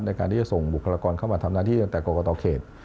ในการที่จะส่งบุคลากรเข้ามาทำหน้าที่ตั้งแต่กรกตเขต